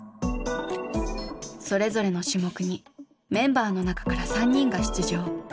それぞれの種目にメンバーの中から３人が出場。